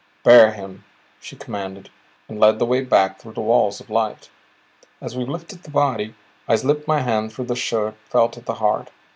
"Bear him," she commanded, and led the way back through the walls of light. As we lifted the body, I slipped my hand through the shirt, felt at the heart.